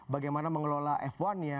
bagaimana mengelola f satu nya